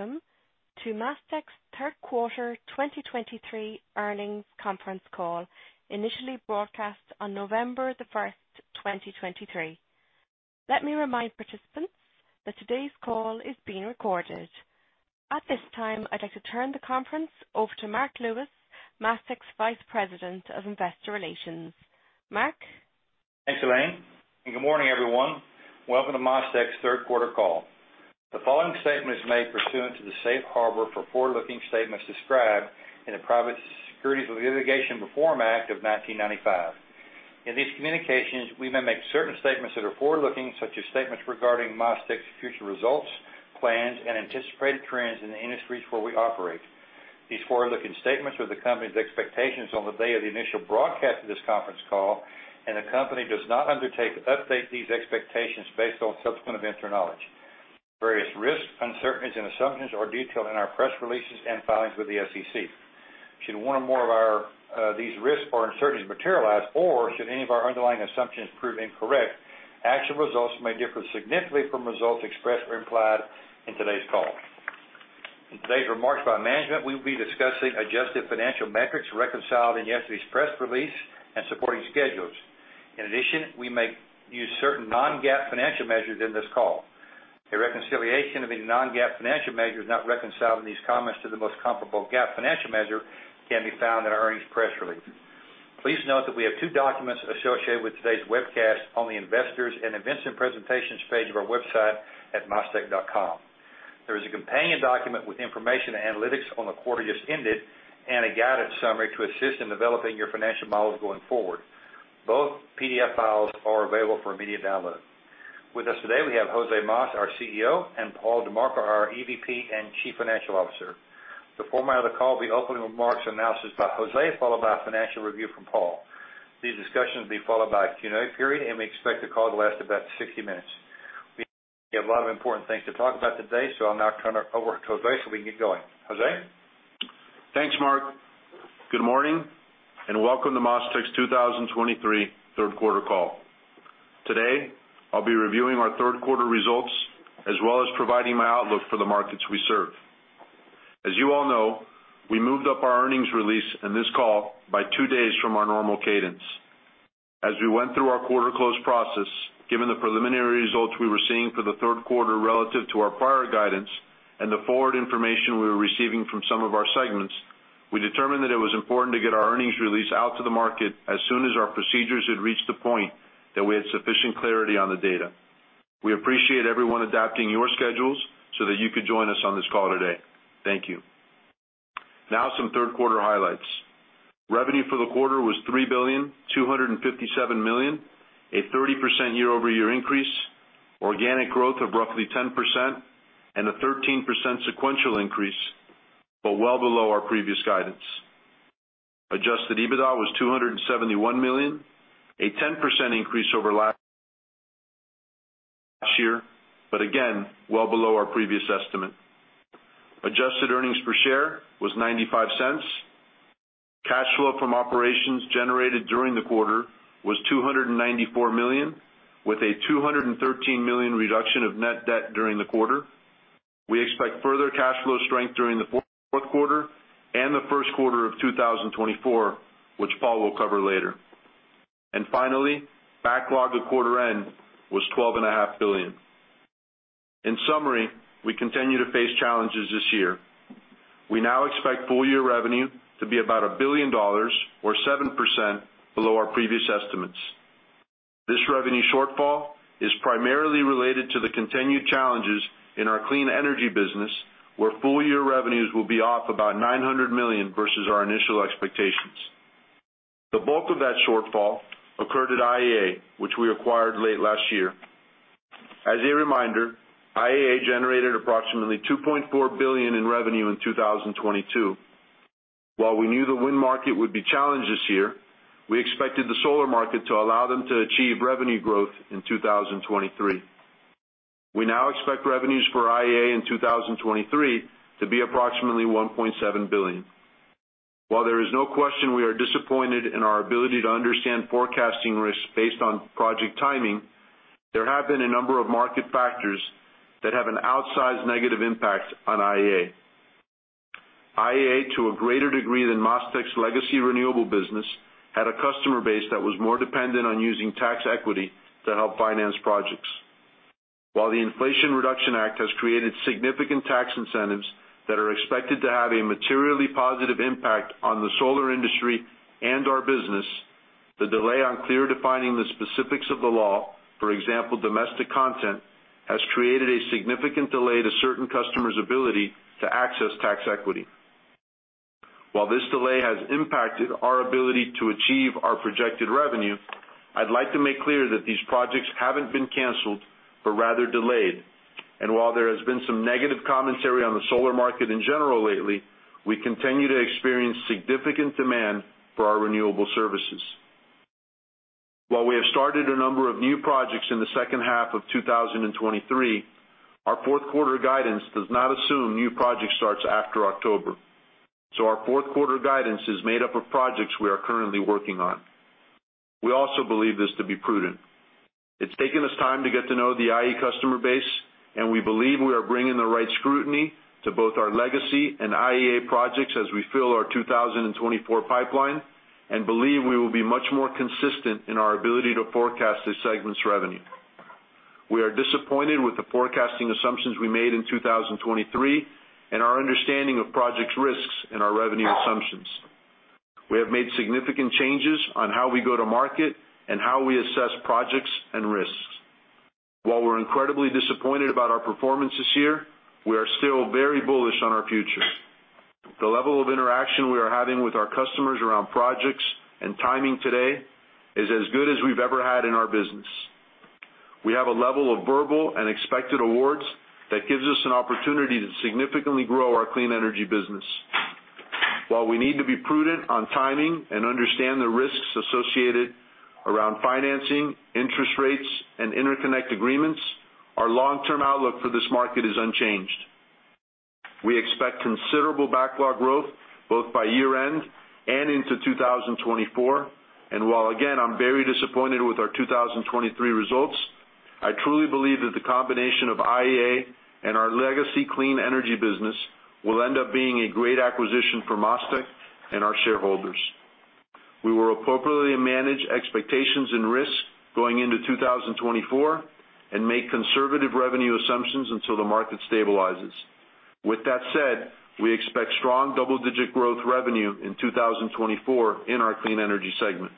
Welcome to MasTec's Third Quarter 2023 Earnings Conference Call, initially broadcast on November 1st, 2023. Let me remind participants that today's call is being recorded. At this time, I'd like to turn the conferenc e over to Marc Lewis, MasTec's Vice President of Investor Relations. Marc? Thanks, Elaine, and good morning, everyone. Welcome to MasTec's Third Quarter Call. The following statement is made pursuant to the safe harbor for forward-looking statements described in the Private Securities Litigation Reform Act of 1995. In these communications, we may make certain statements that are forward-looking, such as statements regarding MasTec's future results, plans, and anticipated trends in the industries where we operate. These forward-looking statements are the company's expectations on the day of the initial broadcast of this conference call, and the company does not undertake to update these expectations based on subsequent event or knowledge. Various risks, uncertainties, and assumptions are detailed in our press releases and filings with the SEC. Should one or more of these risks or uncertainties materialize, or should any of our underlying assumptions prove incorrect, actual results may differ significantly from results expressed or implied in today's call. In today's remarks by management, we will be discussing adjusted financial metrics reconciled in yesterday's press release and supporting schedules. In addition, we may use certain non-GAAP financial measures in this call. A reconciliation of any non-GAAP financial measures not reconciled in these comments to the most comparable GAAP financial measure can be found in our earnings press release. Please note that we have two documents associated with today's webcast on the Investors and Events and Presentations page of our website at mastec.com. There is a companion document with information and analytics on the quarter just ended, and a guidance summary to assist in developing your financial models going forward. Both PDF files are available for immediate download. With us today, we have José Mas, our CEO, and Paul DiMarco, our EVP and Chief Financial Officer. The format of the call will be opening remarks and announcements by José, followed by a financial review from Paul. These discussions will be followed by a Q&A period, and we expect the call to last about 60 minutes. We have a lot of important things to talk about today, so I'll now turn it over to José, so we can get going. José? Thanks, Marc. Good morning, and welcome to MasTec's 2023 third quarter call. Today, I'll be reviewing our third quarter results, as well as providing my outlook for the markets we serve. As you all know, we moved up our earnings release in this call by two days from our normal cadence. As we went through our quarter close process, given the preliminary results we were seeing for the third quarter relative to our prior guidance and the forward information we were receiving from some of our segments, we determined that it was important to get our earnings release out to the market as soon as our procedures had reached the point that we had sufficient clarity on the data. We appreciate everyone adapting your schedules so that you could join us on this call today. Thank you. Now, some third quarter highlights. Revenue for the quarter was $3.257 billion, a 30% year-over-year increase, organic growth of roughly 10%, and a 13% sequential increase, but well below our previous guidance. Adjusted EBITDA was $271 million, a 10% increase over last year, but again, well below our previous estimate. Adjusted earnings per share was $0.95. Cash flow from operations generated during the quarter was $294 million, with a $213 million reduction of net debt during the quarter. We expect further cash flow strength during the fourth quarter and the first quarter of 2024, which Paul will cover later. And finally, backlog at quarter end was $12.5 billion. In summary, we continue to face challenges this year. We now expect full-year revenue to be about $1 billion or 7% below our previous estimates. This revenue shortfall is primarily related to the continued challenges in our clean energy business, where full-year revenues will be off about $900 million versus our initial expectations. The bulk of that shortfall occurred at IEA, which we acquired late last year. As a reminder, IEA generated approximately $2.4 billion in revenue in 2022. While we knew the wind market would be challenged this year, we expected the solar market to allow them to achieve revenue growth in 2023. We now expect revenues for IEA in 2023 to be approximately $1.7 billion. While there is no question we are disappointed in our ability to understand forecasting risks based on project timing, there have been a number of market factors that have an outsized negative impact on IEA. IEA, to a greater degree than MasTec's legacy renewable business, had a customer base that was more dependent on using tax equity to help finance projects. While the Inflation Reduction Act has created significant tax incentives that are expected to have a materially positive impact on the solar industry and our business, the delay on clear defining the specifics of the law, for example, domestic content, has created a significant delay to certain customers' ability to access tax equity. While this delay has impacted our ability to achieve our projected revenue, I'd like to make clear that these projects haven't been canceled, but rather delayed. While there has been some negative commentary on the solar market in general lately, we continue to experience significant demand for our renewable services. While we have started a number of new projects in the second half of 2023, our fourth quarter guidance does not assume new project starts after October. Our fourth quarter guidance is made up of projects we are currently working on.... We also believe this to be prudent. It's taken us time to get to know the IEA customer base, and we believe we are bringing the right scrutiny to both our legacy and IEA projects as we fill our 2024 pipeline, and believe we will be much more consistent in our ability to forecast this segment's revenue. We are disappointed with the forecasting assumptions we made in 2023, and our understanding of project risks and our revenue assumptions. We have made significant changes on how we go to market and how we assess projects and risks. While we're incredibly disappointed about our performance this year, we are still very bullish on our future. The level of interaction we are having with our customers around projects and timing today is as good as we've ever had in our business. We have a level of verbal and expected awards that gives us an opportunity to significantly grow our clean energy business. While we need to be prudent on timing and understand the risks associated around financing, interest rates, and interconnect agreements, our long-term outlook for this market is unchanged. We expect considerable backlog growth both by year-end and into 2024, and while again, I'm very disappointed with our 2023 results, I truly believe that the combination of IEA and our legacy clean energy business will end up being a great acquisition for MasTec and our shareholders. We will appropriately manage expectations and risk going into 2024, and make conservative revenue assumptions until the market stabilizes. With that said, we expect strong double-digit growth revenue in 2024 in our clean energy segment.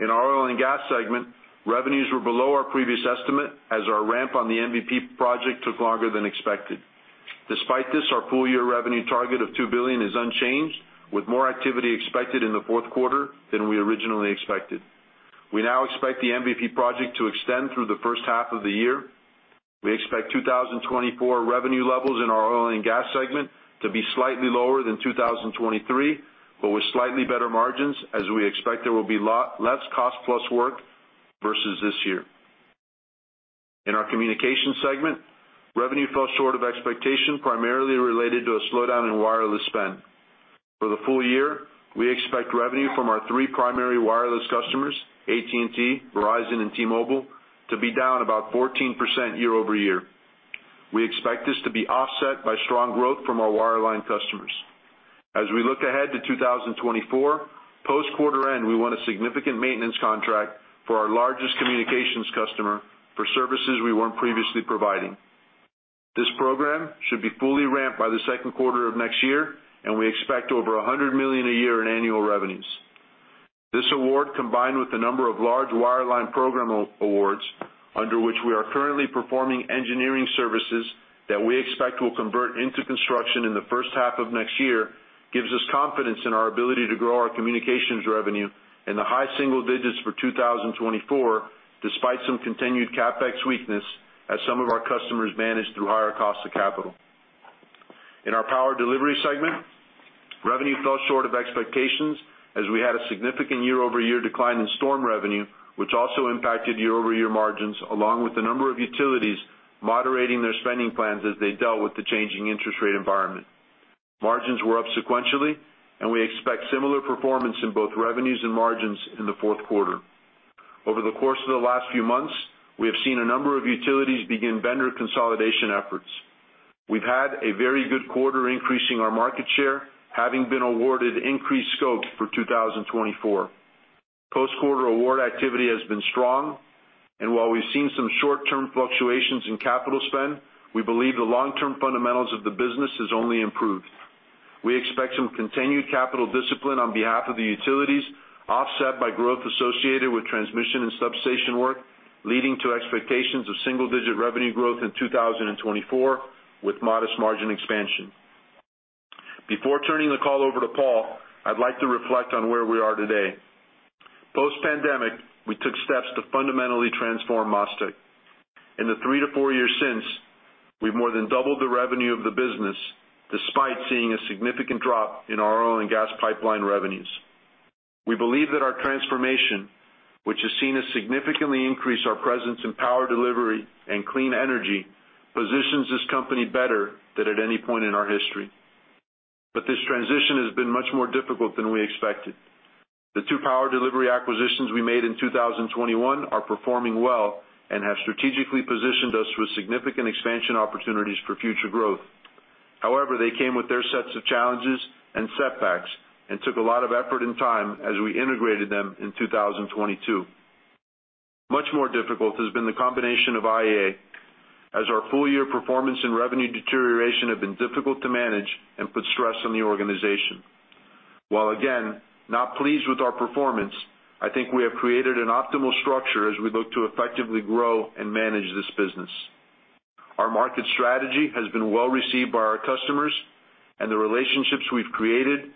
In our oil and gas segment, revenues were below our previous estimate as our ramp on the MVP project took longer than expected. Despite this, our full year revenue target of $2 billion is unchanged, with more activity expected in the fourth quarter than we originally expected. We now expect the MVP project to extend through the first half of the year. We expect 2024 revenue levels in our oil and gas segment to be slightly lower than 2023, but with slightly better margins, as we expect there will be less cost-plus work versus this year. In our communications segment, revenue fell short of expectation, primarily related to a slowdown in wireless spend. For the full year, we expect revenue from our three primary wireless customers, AT&T, Verizon, and T-Mobile, to be down about 14% year-over-year. We expect this to be offset by strong growth from our wireline customers. As we look ahead to 2024, post quarter-end, we won a significant maintenance contract for our largest communications customer for services we weren't previously providing. This program should be fully ramped by the second quarter of next year, and we expect over $100 million a year in annual revenues. This award, combined with the number of large wireline program awards under which we are currently performing engineering services that we expect will convert into construction in the first half of next year, gives us confidence in our ability to grow our communications revenue in the high single digits for 2024, despite some continued CapEx weakness as some of our customers manage through higher costs of capital. In our power delivery segment, revenue fell short of expectations as we had a significant year-over-year decline in storm revenue, which also impacted year-over-year margins, along with the number of utilities moderating their spending plans as they dealt with the changing interest rate environment. Margins were up sequentially, and we expect similar performance in both revenues and margins in the fourth quarter. Over the course of the last few months, we have seen a number of utilities begin vendor consolidation efforts. We've had a very good quarter increasing our market share, having been awarded increased scope for 2024. Post-quarter award activity has been strong, and while we've seen some short-term fluctuations in capital spend, we believe the long-term fundamentals of the business has only improved. We expect some continued capital discipline on behalf of the utilities, offset by growth associated with transmission and substation work, leading to expectations of single-digit revenue growth in 2024, with modest margin expansion. Before turning the call over to Paul, I'd like to reflect on where we are today. Post-pandemic, we took steps to fundamentally transform MasTec. In the three to four years since, we've more than doubled the revenue of the business, despite seeing a significant drop in our oil and gas pipeline revenues. We believe that our transformation, which has seen us significantly increase our presence in power delivery and clean energy, positions this company better than at any point in our history. But this transition has been much more difficult than we expected. The two power delivery acquisitions we made in 2021 are performing well and have strategically positioned us with significant expansion opportunities for future growth. However, they came with their sets of challenges and setbacks and took a lot of effort and time as we integrated them in 2022. Much more difficult has been the combination of IEA, as our full year performance and revenue deterioration have been difficult to manage and put stress on the organization. While again, not pleased with our performance, I think we have created an optimal structure as we look to effectively grow and manage this business. Our market strategy has been well received by our customers, and the relationships we've created,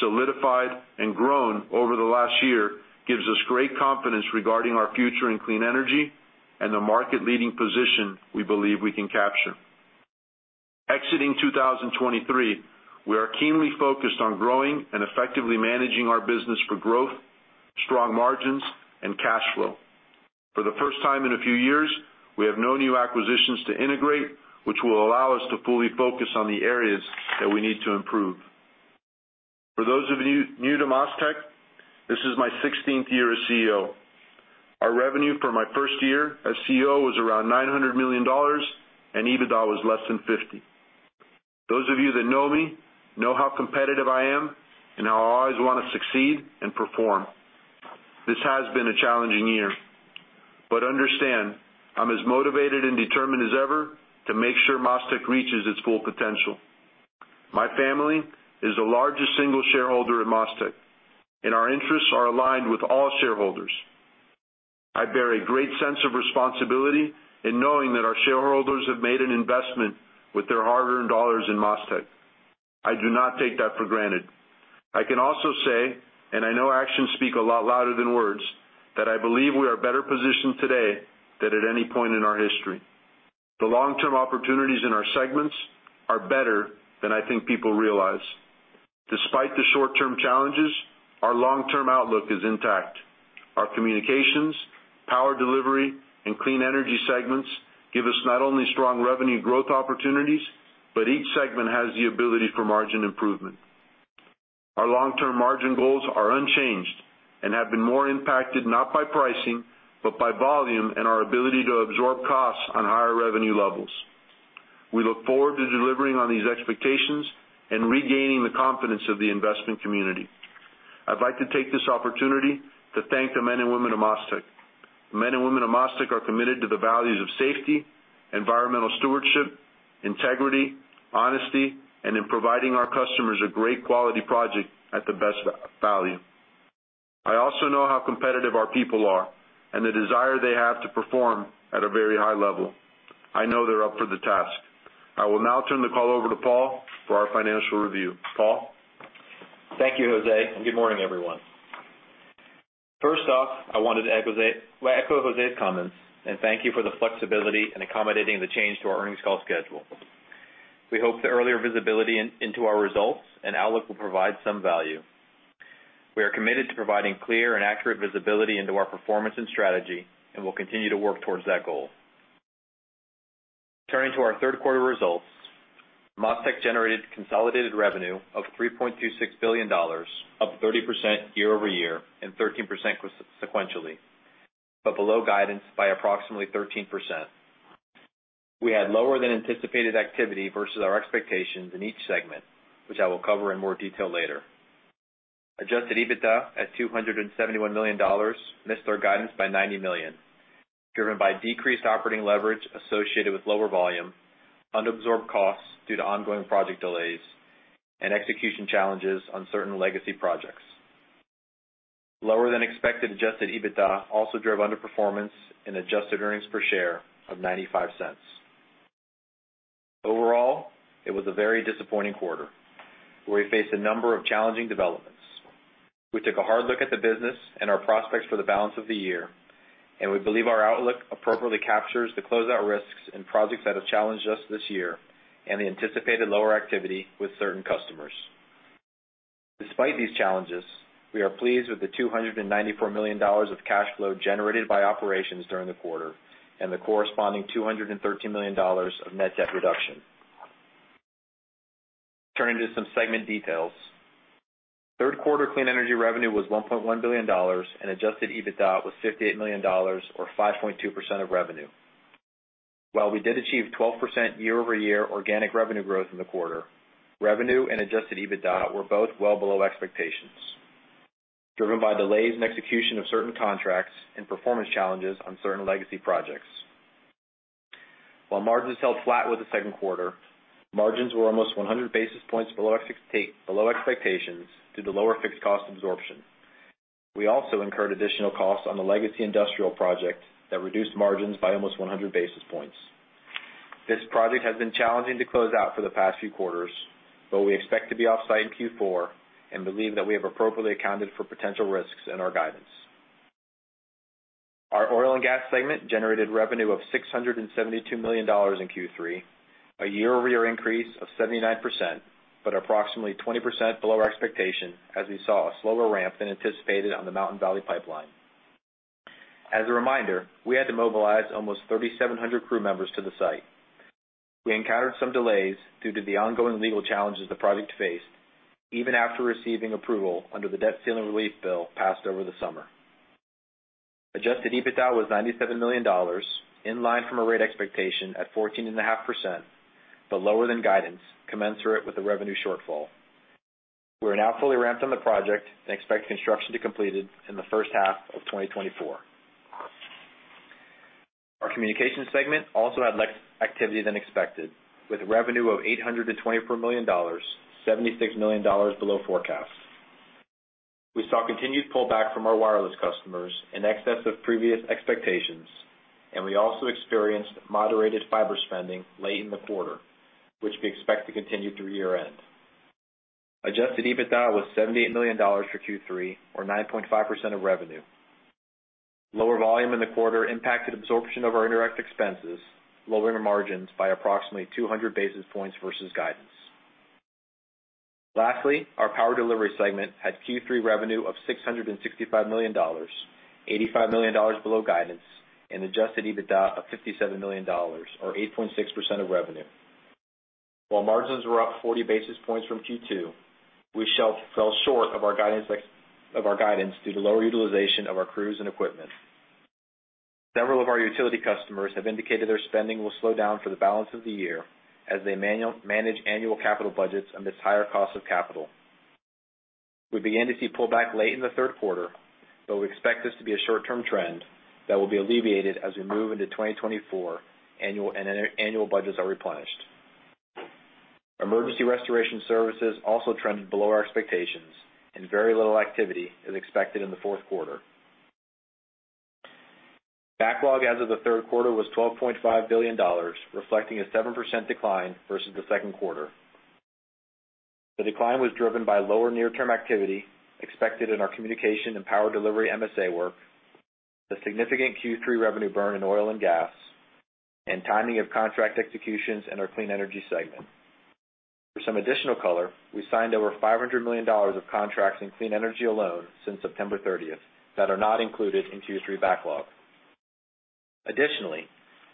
solidified, and grown over the last year gives us great confidence regarding our future in clean energy and the market-leading position we believe we can capture. Exiting 2023, we are keenly focused on growing and effectively managing our business for growth, strong margins, and cash flow. For the first time in a few years, we have no new acquisitions to integrate, which will allow us to fully focus on the areas that we need to improve. For those of you new to MasTec, this is my 16th year as CEO. Our revenue for my first year as CEO was around $900 million, and EBITDA was less than $50 million. Those of you that know me, know how competitive I am and how I always wanna succeed and perform. This has been a challenging year, but understand, I'm as motivated and determined as ever to make sure MasTec reaches its full potential. My family is the largest single shareholder at MasTec, and our interests are aligned with all shareholders. I bear a great sense of responsibility in knowing that our shareholders have made an investment with their hard-earned dollars in MasTec. I do not take that for granted. I can also say, and I know actions speak a lot louder than words, that I believe we are better positioned today than at any point in our history. The long-term opportunities in our segments are better than I think people realize. Despite the short-term challenges, our long-term outlook is intact. Our communications, power delivery, and clean energy segments give us not only strong revenue growth opportunities, but each segment has the ability for margin improvement. Our long-term margin goals are unchanged and have been more impacted, not by pricing, but by volume and our ability to absorb costs on higher revenue levels. We look forward to delivering on these expectations and regaining the confidence of the investment community. I'd like to take this opportunity to thank the men and women of MasTec. The men and women of MasTec are committed to the values of safety, environmental stewardship, integrity, honesty, and in providing our customers a great quality project at the best value. I also know how competitive our people are and the desire they have to perform at a very high level. I know they're up for the task. I will now turn the call over to Paul for our financial review. Paul? Thank you, José, and good morning, everyone. First off, I wanted to echo José's comments and thank you for the flexibility in accommodating the change to our earnings call schedule. We hope the earlier visibility into our results and outlook will provide some value. We are committed to providing clear and accurate visibility into our performance and strategy, and we'll continue to work towards that goal. Turning to our third quarter results, MasTec generated consolidated revenue of $3.26 billion, up 30% year-over-year and 13% sequentially, but below guidance by approximately 13%. We had lower than anticipated activity versus our expectations in each segment, which I will cover in more detail later. Adjusted EBITDA of $271 million missed our guidance by $90 million, driven by decreased operating leverage associated with lower volume, unabsorbed costs due to ongoing project delays, and execution challenges on certain legacy projects. Lower than expected Adjusted EBITDA also drove underperformance in Adjusted Earnings Per Share of $0.95. Overall, it was a very disappointing quarter, where we faced a number of challenging developments. We took a hard look at the business and our prospects for the balance of the year, and we believe our outlook appropriately captures the closeout risks and projects that have challenged us this year, and the anticipated lower activity with certain customers. Despite these challenges, we are pleased with the $294 million of cash flow generated by operations during the quarter and the corresponding $213 million of net debt reduction. Turning to some segment details. Third quarter clean energy revenue was $1.1 billion, and adjusted EBITDA was $58 million, or 5.2% of revenue. While we did achieve 12% year-over-year organic revenue growth in the quarter, revenue and adjusted EBITDA were both well below expectations, driven by delays in execution of certain contracts and performance challenges on certain legacy projects. While margins held flat with the second quarter, margins were almost 100 basis points below below expectations due to lower fixed cost absorption. We also incurred additional costs on the legacy industrial project that reduced margins by almost 100 basis points. This project has been challenging to close out for the past few quarters, but we expect to be off-site in Q4 and believe that we have appropriately accounted for potential risks in our guidance. Our oil and gas segment generated revenue of $672 million in Q3, a year-over-year increase of 79%, but approximately 20% below our expectation, as we saw a slower ramp than anticipated on the Mountain Valley Pipeline. As a reminder, we had to mobilize almost 3,700 crew members to the site. We encountered some delays due to the ongoing legal challenges the project faced, even after receiving approval under the debt ceiling relief bill passed over the summer. Adjusted EBITDA was $97 million, in line from a rate expectation at 14.5%, but lower than guidance, commensurate with the revenue shortfall. We are now fully ramped on the project and expect construction to be completed in the first half of 2024. Our communications segment also had less activity than expected, with revenue of $824 million, $76 million below forecast. We saw continued pullback from our wireless customers in excess of previous expectations, and we also experienced moderated fiber spending late in the quarter, which we expect to continue through year-end. Adjusted EBITDA was $78 million for Q3, or 9.5% of revenue. Lower volume in the quarter impacted absorption of our indirect expenses, lowering the margins by approximately 200 basis points versus guidance. Lastly, our power delivery segment had Q3 revenue of $665 million, $85 million below guidance, and adjusted EBITDA of $57 million, or 8.6% of revenue. While margins were up 40 basis points from Q2, we fell short of our guidance of our guidance due to lower utilization of our crews and equipment. Several of our utility customers have indicated their spending will slow down for the balance of the year as they manage annual capital budgets amidst higher costs of capital. We began to see pullback late in the third quarter, though we expect this to be a short-term trend that will be alleviated as we move into 2024 annual budgets are replenished. Emergency restoration services also trended below our expectations, and very little activity is expected in the fourth quarter. Backlog as of the third quarter was $12.5 billion, reflecting a 7% decline versus the second quarter. The decline was driven by lower near-term activity expected in our communication and power delivery MSA work, the significant Q3 revenue burn in oil and gas, and timing of contract executions in our clean energy segment. For some additional color, we signed over $500 million of contracts in clean energy alone since September 30th, that are not included in Q3 backlog. Additionally,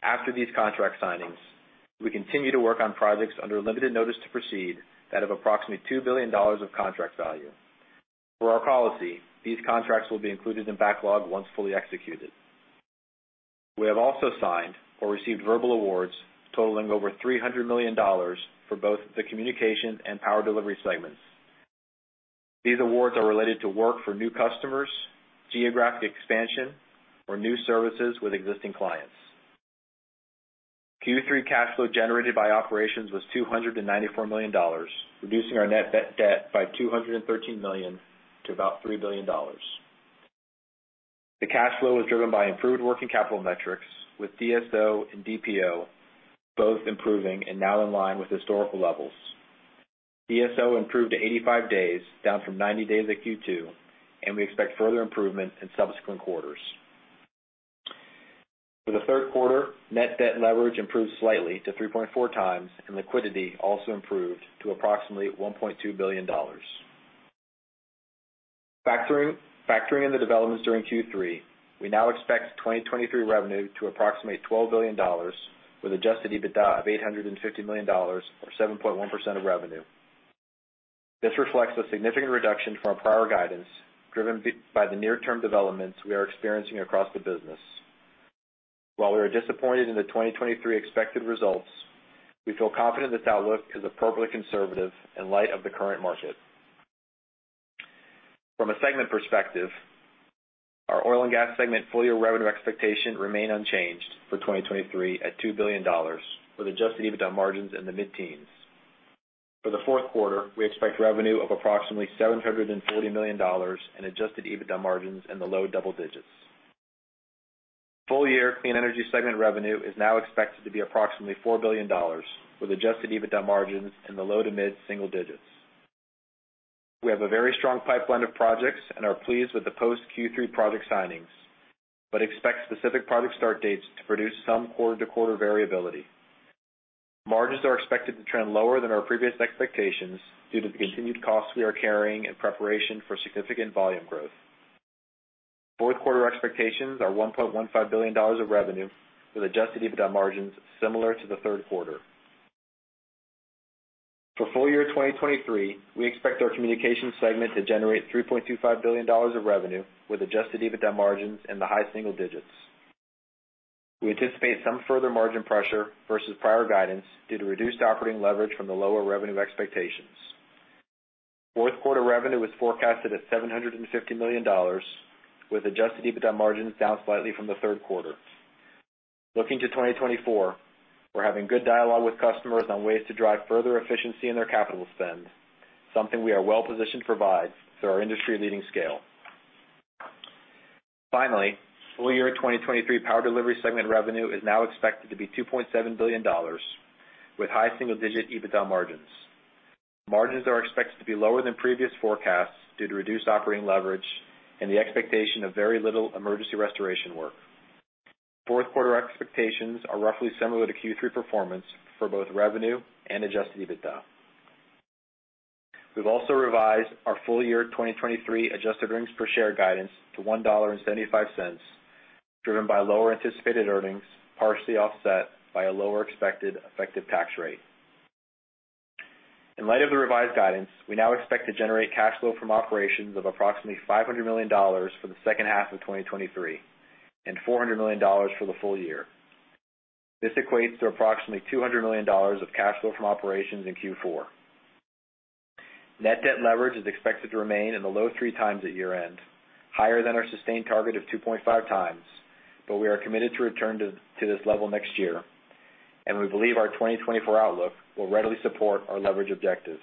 after these contract signings, we continue to work on projects under limited notice to proceed that have approximately $2 billion of contract value. Per our policy, these contracts will be included in backlog once fully executed. We have also signed or received verbal awards totaling over $300 million for both the communication and power delivery segments. These awards are related to work for new customers, geographic expansion, or new services with existing clients. Q3 cash flow generated by operations was $294 million, reducing our net debt by $213 million to about $3 billion. The cash flow was driven by improved working capital metrics, with DSO and DPO both improving and now in line with historical levels. DSO improved to 85 days, down from 90 days at Q2, and we expect further improvement in subsequent quarters. For the third quarter, net debt leverage improved slightly to 3.4x, and liquidity also improved to approximately $1.2 billion. Factoring in the developments during Q3, we now expect 2023 revenue to approximate $12 billion, with adjusted EBITDA of $850 million, or 7.1% of revenue. This reflects a significant reduction from our prior guidance, driven by the near-term developments we are experiencing across the business. While we are disappointed in the 2023 expected results, we feel confident this outlook is appropriately conservative in light of the current market. From a segment perspective, our oil and gas segment full-year revenue expectations remain unchanged for 2023 at $2 billion, with Adjusted EBITDA margins in the mid-teens. For the fourth quarter, we expect revenue of approximately $740 million and Adjusted EBITDA margins in the low double digits. Full-year clean energy segment revenue is now expected to be approximately $4 billion, with Adjusted EBITDA margins in the low to mid-single digits. We have a very strong pipeline of projects and are pleased with the post-Q3 project signings, but expect specific project start dates to produce some quarter-to-quarter variability. Margins are expected to trend lower than our previous expectations due to the continued costs we are carrying in preparation for significant volume growth. Fourth quarter expectations are $1.15 billion of revenue, with adjusted EBITDA margins similar to the third quarter. For full year 2023, we expect our communication segment to generate $3.25 billion of revenue, with adjusted EBITDA margins in the high single digits. We anticipate some further margin pressure versus prior guidance due to reduced operating leverage from the lower revenue expectations. Fourth quarter revenue is forecasted at $750 million, with adjusted EBITDA margins down slightly from the third quarter. Looking to 2024, we're having good dialogue with customers on ways to drive further efficiency in their capital spend, something we are well positioned to provide through our industry-leading scale. Finally, full year 2023 power delivery segment revenue is now expected to be $2.7 billion, with high single-digit EBITDA margins. Margins are expected to be lower than previous forecasts due to reduced operating leverage and the expectation of very little emergency restoration work. Fourth quarter expectations are roughly similar to Q3 performance for both revenue and Adjusted EBITDA. We've also revised our full year 2023 adjusted earnings per share guidance to $1.75, driven by lower anticipated earnings, partially offset by a lower expected effective tax rate. In light of the revised guidance, we now expect to generate cash flow from operations of approximately $500 million for the second half of 2023, and $400 million for the full year. This equates to approximately $200 million of cash flow from operations in Q4. Net debt leverage is expected to remain in the low 3x at year-end, higher than our sustained target of 2.5x, but we are committed to return to this level next year, and we believe our 2024 outlook will readily support our leverage objectives.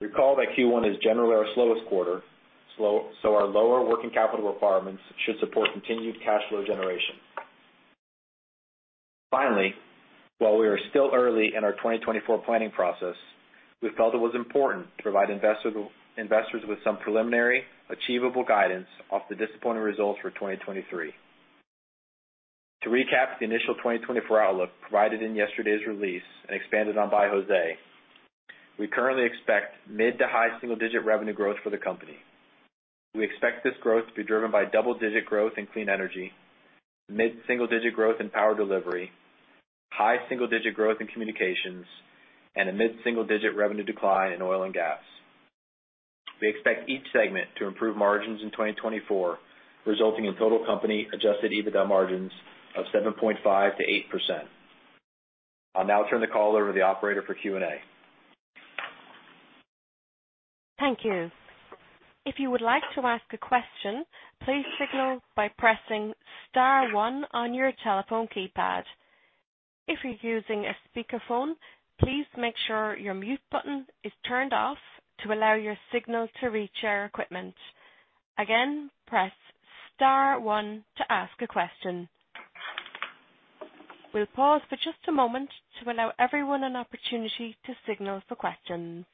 Recall that Q1 is generally our slowest quarter, so our lower working capital requirements should support continued cash flow generation. Finally, while we are still early in our 2024 planning process, we felt it was important to provide investors with some preliminary, achievable guidance off the disappointing results for 2023. To recap the initial 2024 outlook provided in yesterday's release and expanded on by José, we currently expect mid to high single-digit revenue growth for the company. We expect this growth to be driven by double-digit growth in clean energy, mid-single digit growth in power delivery, high single-digit growth in communications, and a mid-single digit revenue decline in oil and gas. We expect each segment to improve margins in 2024, resulting in total company Adjusted EBITDA margins of 7.5%-8%. I'll now turn the call over to the operator for Q&A. Thank you. If you would like to ask a question, please signal by pressing star one on your telephone keypad. If you're using a speakerphone, please make sure your mute button is turned off to allow your signal to reach our equipment. Again, press star one to ask a question. We'll pause for just a moment to allow everyone an opportunity to signal for questions.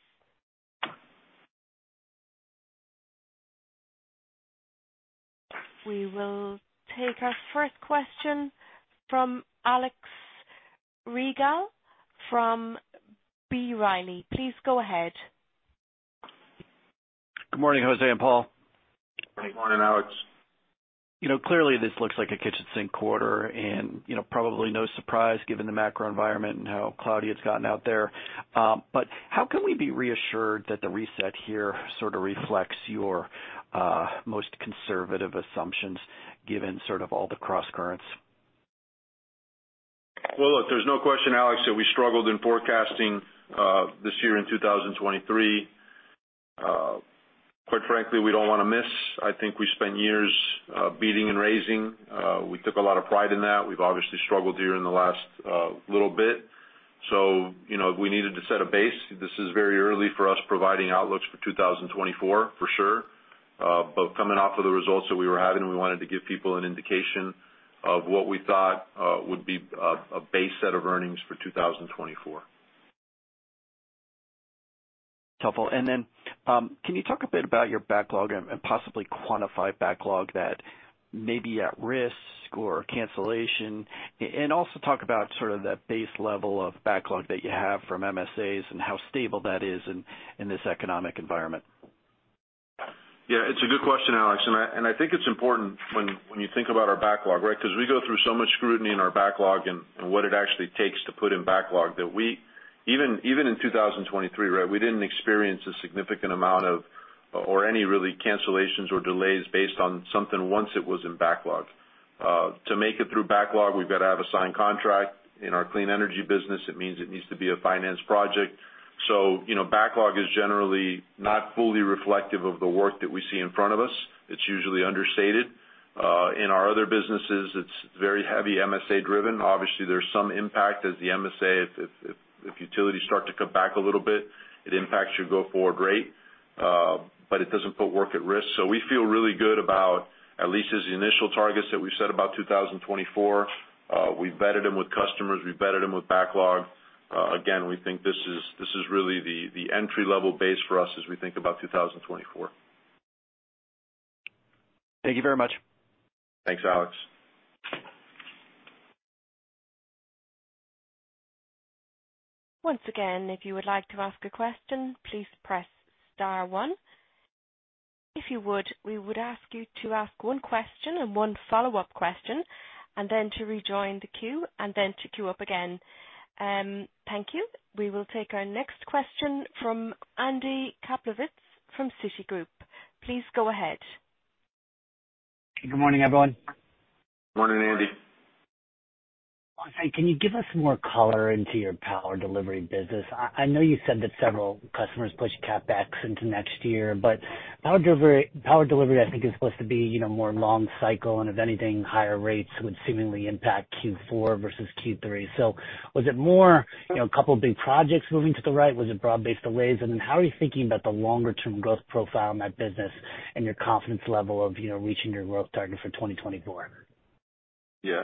We will take our first question from Alex Rygiel from B. Riley. Please go ahead. Good morning, José and Paul. Good morning, Alex. You know, clearly this looks like a kitchen sink quarter, and, you know, probably no surprise given the macro environment and how cloudy it's gotten out there. But how can we be reassured that the reset here sort of reflects your most conservative assumptions, given sort of all the crosscurrents? Well, look, there's no question, Alex, that we struggled in forecasting this year in 2023. Quite frankly, we don't want to miss. I think we spent years beating and raising. We took a lot of pride in that. We've obviously struggled here in the last little bit. So, you know, we needed to set a base. This is very early for us providing outlooks for 2024, for sure. But coming off of the results that we were having, we wanted to give people an indication of what we thought would be a base set of earnings for 2024. Helpful. And then, can you talk a bit about your backlog and possibly quantify backlog that may be at risk or cancellation? And also talk about sort of that base level of backlog that you have from MSAs and how stable that is in this economic environment. Yeah, it's a good question, Alex, and I think it's important when you think about our backlog, right? Because we go through so much scrutiny in our backlog and what it actually takes to put in backlog, that we, even in 2023, right, we didn't experience a significant amount of or any really cancellations or delays based on something once it was in backlog. To make it through backlog, we've got to have a signed contract. In our clean energy business, it means it needs to be a finance project. So, you know, backlog is generally not fully reflective of the work that we see in front of us. It's usually understated. In our other businesses, it's very heavy MSA driven. Obviously, there's some impact as the MSA, if utilities start to cut back a little bit, it impacts your go-forward rate, but it doesn't put work at risk. So we feel really good about at least as the initial targets that we've set about 2024. We've vetted them with customers. We've vetted them with backlog. Again, we think this is really the entry-level base for us as we think about 2024. Thank you very much. Thanks, Alex. Once again, if you would like to ask a question, please press star one. If you would, we would ask you to ask one question and one follow-up question, and then to rejoin the queue and then to queue up again. Thank you. We will take our next question from Andy Kaplowitz from Citigroup. Please go ahead. Good morning, everyone. Morning, Andy. José, can you give us more color into your power delivery business? I, I know you said that several customers pushed CapEx into next year, but power delivery, power delivery, I think, is supposed to be, you know, more long cycle, and if anything, higher rates would seemingly impact Q4 versus Q3. So was it more, you know, a couple of big projects moving to the right? Was it broad-based delays? And then how are you thinking about the longer-term growth profile in that business and your confidence level of, you know, reaching your growth target for 2024? Yeah.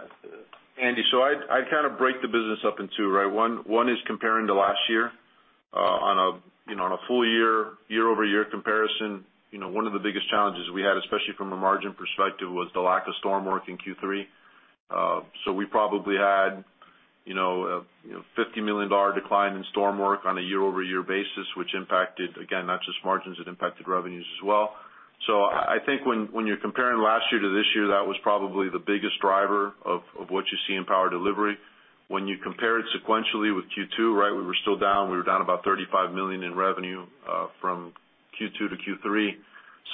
Andy, so I'd kind of break the business up in two, right? One is comparing to last year, on a full year, year-over-year comparison. You know, one of the biggest challenges we had, especially from a margin perspective, was the lack of storm work in Q3. So we probably had, you know, a $50 million decline in storm work on a year-over-year basis, which impacted, again, not just margins, it impacted revenues as well. So I think when you're comparing last year to this year, that was probably the biggest driver of what you see in power delivery. When you compare it sequentially with Q2, right, we were still down. We were down about $35 million in revenue from Q2 to Q3.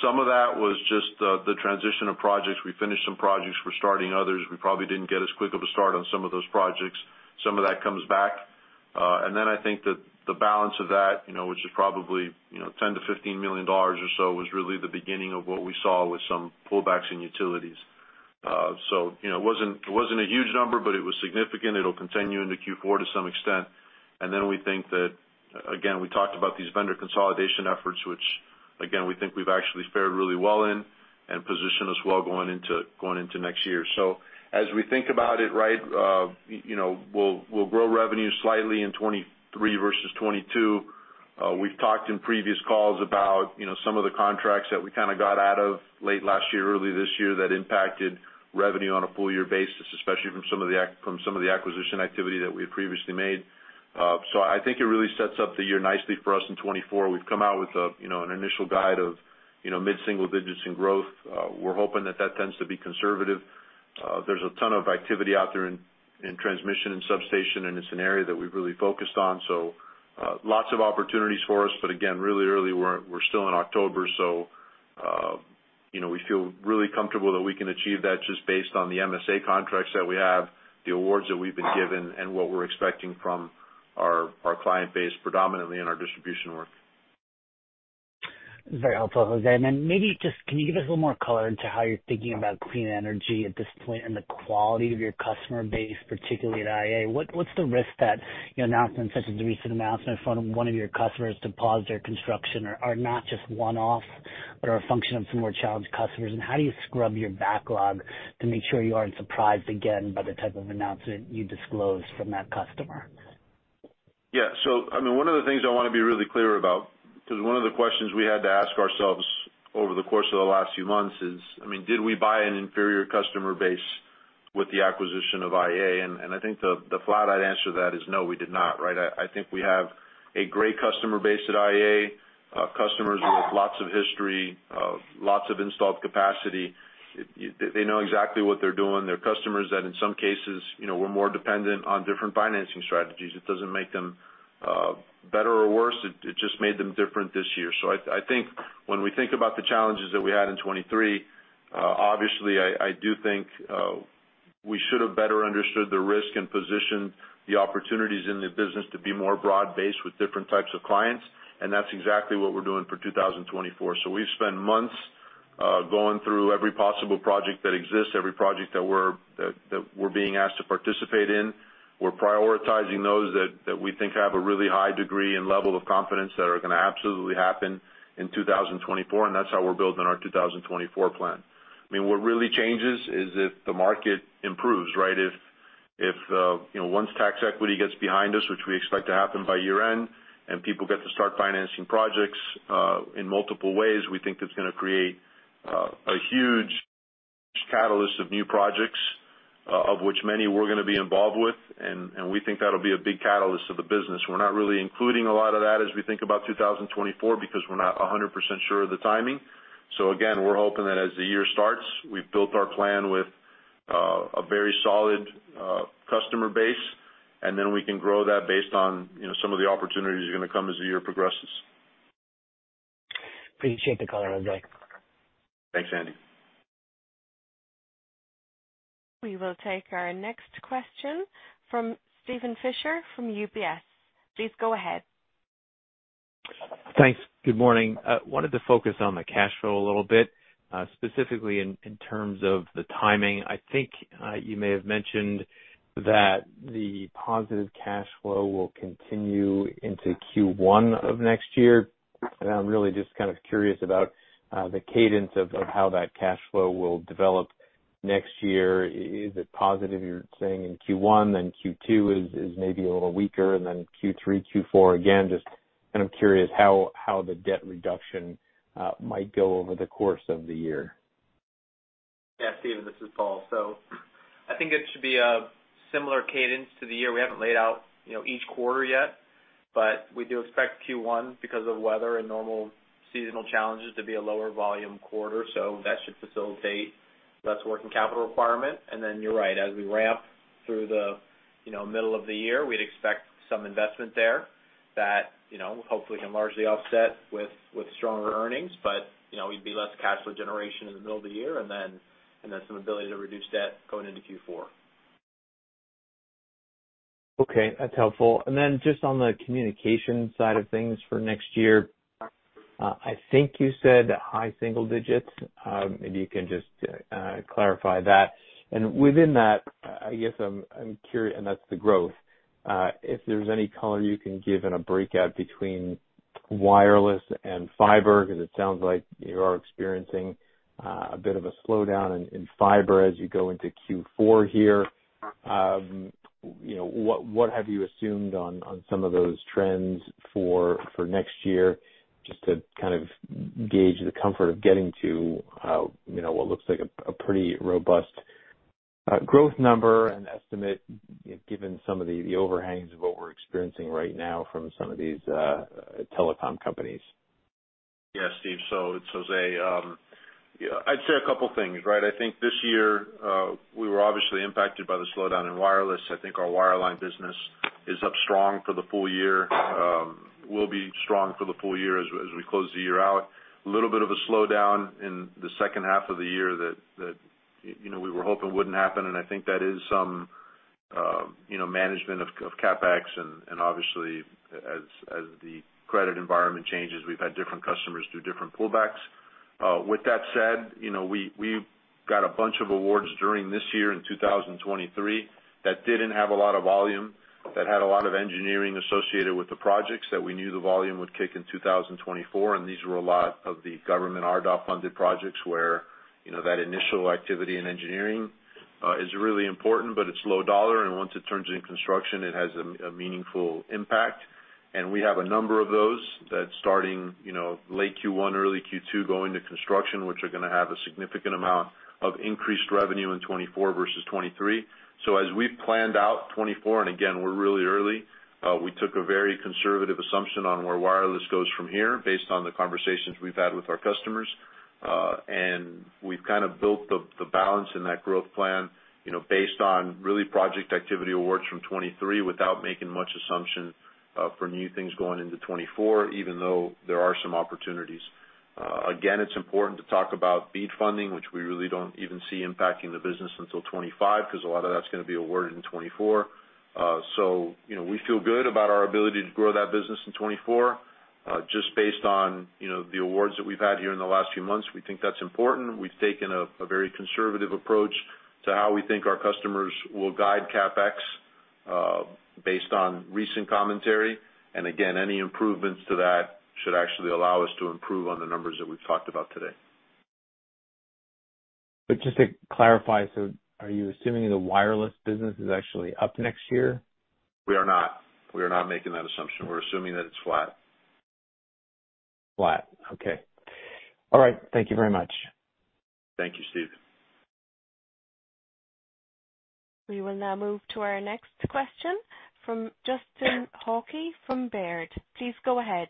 Some of that was just the transition of projects. We finished some projects, we're starting others. We probably didn't get as quick of a start on some of those projects. Some of that comes back. And then I think that the balance of that, you know, which is probably, you know, $10 million-$15 million or so, was really the beginning of what we saw with some pullbacks in utilities. So you know, it wasn't, it wasn't a huge number, but it was significant. It'll continue into Q4 to some extent. And then we think that, again, we talked about these vendor consolidation efforts, which again, we think we've actually fared really well in and positioned us well going into, going into next year. So as we think about it, right, you know, we'll, we'll grow revenue slightly in 2023 versus 2022. We've talked in previous calls about, you know, some of the contracts that we kind of got out of late last year, early this year, that impacted revenue on a full year basis, especially from some of the acquisition activity that we had previously made. So I think it really sets up the year nicely for us in 2024. We've come out with, you know, an initial guide of, you know, mid-single digits in growth. We're hoping that that tends to be conservative. There's a ton of activity out there in transmission and substation, and it's an area that we've really focused on. Lots of opportunities for us, but again, really early. We're still in October, so you know, we feel really comfortable that we can achieve that just based on the MSA contracts that we have, the awards that we've been given, and what we're expecting from our client base, predominantly in our distribution work. Very helpful, José. Then maybe just, can you give us a little more color into how you're thinking about clean energy at this point and the quality of your customer base, particularly at IEA? What's the risk that, you know, announcements, such as the recent announcement from one of your customers, to pause their construction are, are not just one-off, but are a function of some more challenged customers? And how do you scrub your backlog to make sure you aren't surprised again by the type of announcement you disclosed from that customer? Yeah. So I mean, one of the things I wanna be really clear about, because one of the questions we had to ask ourselves over the course of the last few months is, I mean, did we buy an inferior customer base with the acquisition of IEA? And I think the flat-out answer to that is no, we did not, right? I think we have a great customer base at IEA. Customers with lots of history, lots of installed capacity. They know exactly what they're doing. They're customers that, in some cases, you know, were more dependent on different financing strategies. It doesn't make them better or worse, it just made them different this year. So I, I think when we think about the challenges that we had in 2023, obviously, I, I do think, we should have better understood the risk and positioned the opportunities in the business to be more broad-based with different types of clients, and that's exactly what we're doing for 2024. So we've spent months, going through every possible project that exists, every project that we're being asked to participate in. We're prioritizing those that we think have a really high degree and level of confidence that are gonna absolutely happen in 2024, and that's how we're building our 2024 plan. I mean, what really changes is if the market improves, right? If you know, once tax equity gets behind us, which we expect to happen by year-end, and people get to start financing projects in multiple ways, we think that's gonna create a huge catalyst of new projects, of which many we're gonna be involved with, and we think that'll be a big catalyst to the business. We're not really including a lot of that as we think about 2024, because we're not 100% sure of the timing. So again, we're hoping that as the year starts, we've built our plan with a very solid customer base, and then we can grow that based on, you know, some of the opportunities are gonna come as the year progresses. Appreciate the color, José. Thanks, Andy. We will take our next question from Steven Fisher from UBS. Please go ahead. Thanks. Good morning. Wanted to focus on the cash flow a little bit, specifically in, in terms of the timing. I think, you may have mentioned that the positive cash flow will continue into Q1 of next year, and I'm really just kind of curious about, the cadence of, of how that cash flow will develop next year. Is it positive, you're saying in Q1, then Q2 is, is maybe a little weaker, and then Q3, Q4, again, just kind of curious how, how the debt reduction, might go over the course of the year. Yeah, Steven, this is Paul. So I think it should be a similar cadence to the year. We haven't laid out, you know, each quarter yet, but we do expect Q1, because of weather and normal seasonal challenges, to be a lower volume quarter, so that should facilitate less working capital requirement. And then you're right, as we ramp through the, you know, middle of the year, we'd expect some investment there that, you know, hopefully can largely offset with, with stronger earnings. But, you know, we'd be less cash flow generation in the middle of the year and then some ability to reduce debt going into Q4. Okay, that's helpful. And then just on the communication side of things for next year, I think you said high single digits. Maybe you can just clarify that. And within that, I guess I'm curious and that's the growth, if there's any color you can give in a breakout between wireless and fiber, because it sounds like you are experiencing a bit of a slowdown in fiber as you go into Q4 here. You know, what have you assumed on some of those trends for next year, just to kind of gauge the comfort of getting to, you know, what looks like a pretty robust growth number and estimate, given some of the overhangs of what we're experiencing right now from some of these telecom companies? Yeah, Steve. So it's José. Yeah, I'd say a couple things, right? I think this year, we were obviously impacted by the slowdown in wireless. I think our wireline business is up strong for the full year, will be strong for the full year as we, as we close the year out. A little bit of a slowdown in the second half of the year that, you know, we were hoping wouldn't happen, and I think that is some, you know, management of, of CapEx. And, and obviously, as, as the credit environment changes, we've had different customers do different pullbacks. With that said, you know, we, we got a bunch of awards during this year in 2023 that didn't have a lot of volume, that had a lot of engineering associated with the projects, that we knew the volume would kick in 2024, and these were a lot of the government RDOF-funded projects where, you know, that initial activity in engineering is really important, but it's low dollar, and once it turns into construction, it has a meaningful impact. And we have a number of those that starting, you know, late Q1, early Q2, going to construction, which are gonna have a significant amount of increased revenue in 2024 versus 2023. So as we've planned out 2024, and again, we're really early, we took a very conservative assumption on where wireless goes from here, based on the conversations we've had with our customers. And we've kind of built the, the balance in that growth plan, you know, based on really project activity awards from 2023 without making much assumption, for new things going into 2024, even though there are some opportunities. Again, it's important to talk about BEAD funding, which we really don't even see impacting the business until 2025, 'cause a lot of that's gonna be awarded in 2024. So, you know, we feel good about our ability to grow that business in 2024, just based on, you know, the awards that we've had here in the last few months. We think that's important. We've taken a very conservative approach to how we think our customers will guide CapEx, based on recent commentary, and again, any improvements to that should actually allow us to improve on the numbers that we've talked about today. Just to clarify, so are you assuming the wireless business is actually up next year? We are not. We are not making that assumption. We're assuming that it's flat. Flat. Okay. All right. Thank you very much. Thank you, Steve. We will now move to our next question from Justin Hauke, from Baird. Please go ahead.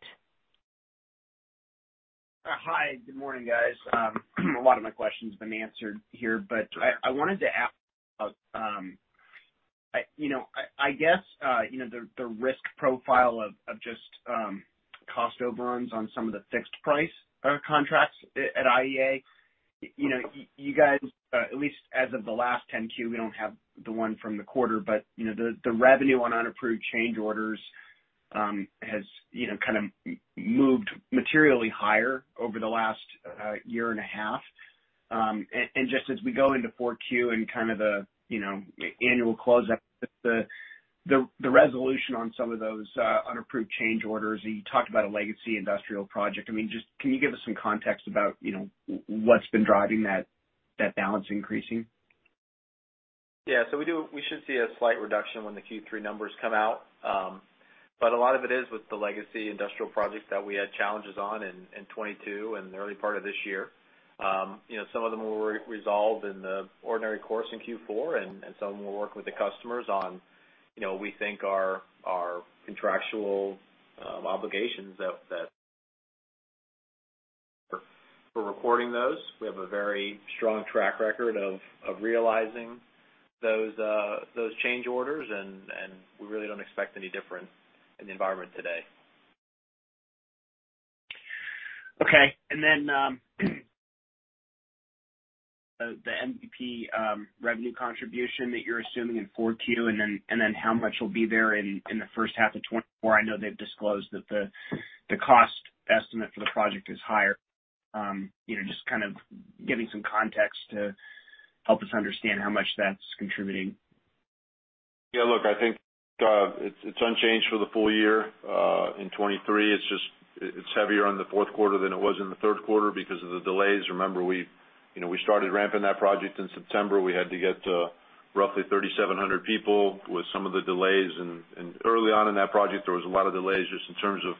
Hi, good morning, guys. A lot of my questions have been answered here, but I wanted to ask, you know, I guess, you know, the risk profile of just cost overruns on some of the fixed price contracts at IEA. You know, you guys, at least as of the last 10-Q, we don't have the one from the quarter, but you know, the revenue on unapproved change orders has you know, kind of moved materially higher over the last year and a half. And just as we go into 4Q and kind of the you know, annual close up, the resolution on some of those unapproved change orders, you talked about a legacy industrial project. I mean, just can you give us some context about, you know, what's been driving that balance increasing? Yeah, so we should see a slight reduction when the Q3 numbers come out. But a lot of it is with the legacy industrial projects that we had challenges on in 2022 and the early part of this year. You know, some of them were resolved in the ordinary course in Q4, and some we're working with the customers on, you know, we think our contractual obligations that for recording those, we have a very strong track record of realizing those change orders, and we really don't expect any different in the environment today. Okay. And then, the MVP revenue contribution that you're assuming in 4Q, and then how much will be there in the first half of 2024? I know they've disclosed that the cost estimate for the project is higher. You know, just kind of giving some context to help us understand how much that's contributing. Yeah, look, I think, it's, it's unchanged for the full year in 2023. It's just, it's heavier on the fourth quarter than it was in the third quarter because of the delays. Remember, we, you know, we started ramping that project in September. We had to get roughly 3,700 people with some of the delays, and early on in that project, there was a lot of delays, just in terms of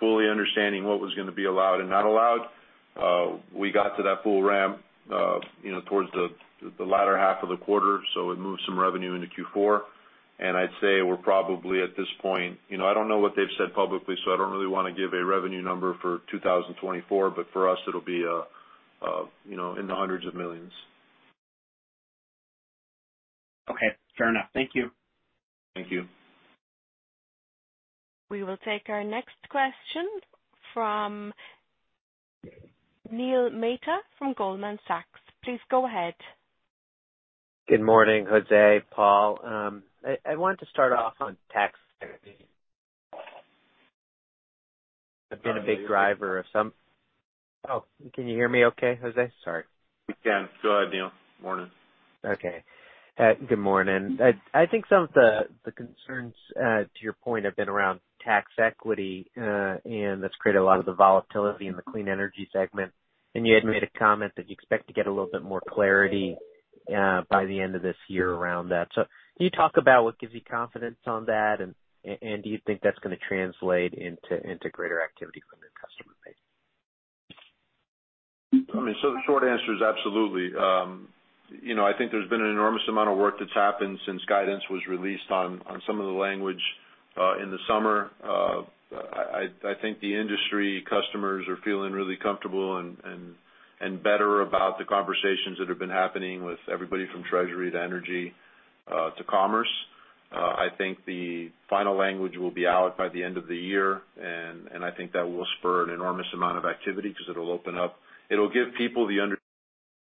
fully understanding what was gonna be allowed and not allowed. We got to that full ramp, you know, towards the latter half of the quarter, so it moved some revenue into Q4. And I'd say we're probably, at this point. You know, I don't know what they've said publicly, so I don't really wanna give a revenue number for 2024, but for us it'll be, you know, in the hundreds of millions. Okay, fair enough. Thank you. Thank you. We will take our next question from Neil Mehta, from Goldman Sachs. Please go ahead. Good morning, José, Paul. I wanted to start off on tax. I've been a big driver of some. Oh, can you hear me okay, José? Sorry. We can. Go ahead, Neil. Morning. Okay. Good morning. I think some of the concerns, to your point, have been around tax equity, and that's created a lot of the volatility in the clean energy segment. You had made a comment that you expect to get a little bit more clarity, by the end of this year around that. So can you talk about what gives you confidence on that, and do you think that's gonna translate into greater activity from your customer base? I mean, so the short answer is absolutely. You know, I think there's been an enormous amount of work that's happened since guidance was released on some of the language in the summer. I think the industry customers are feeling really comfortable and better about the conversations that have been happening with everybody from Treasury to Energy to Commerce. I think the final language will be out by the end of the year, and I think that will spur an enormous amount of activity because it'll open up- It'll give people the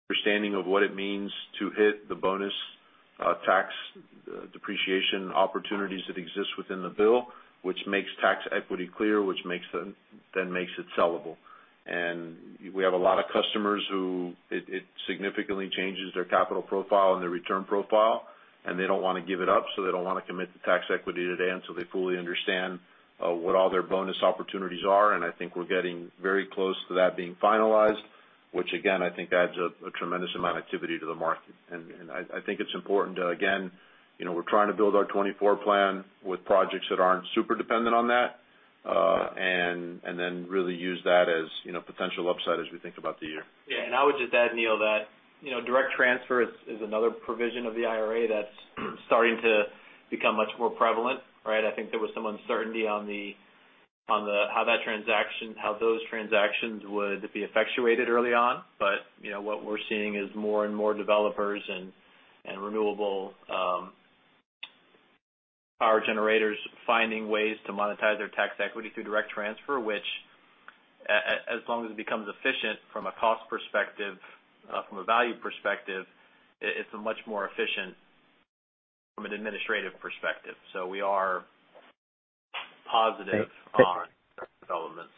understanding of what it means to hit the bonus tax depreciation opportunities that exist within the bill, which makes tax equity clear, which makes them, then makes it sellable. And we have a lot of customers who it significantly changes their capital profile and their return profile, and they don't wanna give it up, so they don't wanna commit to tax equity today until they fully understand what all their bonus opportunities are, and I think we're getting very close to that being finalized, which again, I think adds a tremendous amount of activity to the market. And I think it's important to, again, you know, we're trying to build our 2024 plan with projects that aren't super dependent on that, and then really use that as, you know, potential upside as we think about the year. Yeah, and I would just add, Neil, that, you know, direct transfer is another provision of the IRA that's starting to become much more prevalent, right? I think there was some uncertainty on the how that transaction, how those transactions would be effectuated early on. But, you know, what we're seeing is more and more developers and renewable power generators finding ways to monetize their tax equity through direct transfer, which, as long as it becomes efficient from a cost perspective, from a value perspective, it's a much more efficient from an administrative perspective. So we are positive on developments.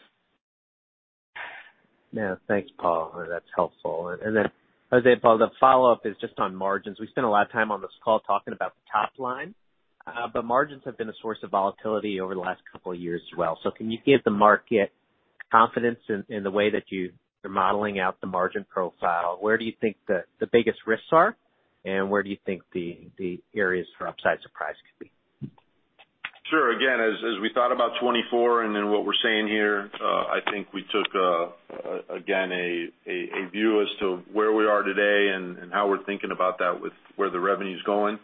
Yeah. Thanks, Paul. That's helpful. And then, José, Paul, the follow-up is just on margins. We spent a lot of time on this call talking about the top line, but margins have been a source of volatility over the last couple of years as well. So can you give the market confidence in the way that you are modeling out the margin profile? Where do you think the biggest risks are, and where do you think the areas for upside surprise could be? Sure. Again, as we thought about 2024, and then what we're seeing here, I think we took, again, a view as to where we are today and how we're thinking about that with where the revenue is going.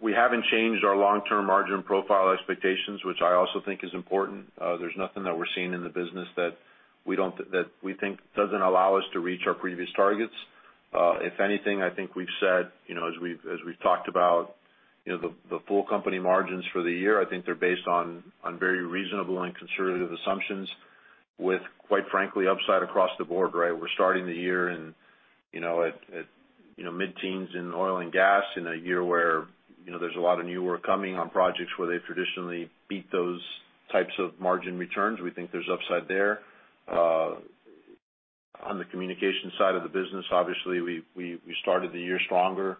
We haven't changed our long-term margin profile expectations, which I also think is important. There's nothing that we're seeing in the business that we think doesn't allow us to reach our previous targets. If anything, I think we've said, you know, as we've talked about, you know, the full company margins for the year, I think they're based on very reasonable and conservative assumptions, with, quite frankly, upside across the board, right? We're starting the year and, you know, at you know, mid-teens in oil and gas in a year where, you know, there's a lot of new work coming on projects where they traditionally beat those types of margin returns. We think there's upside there. On the communication side of the business, obviously, we started the year stronger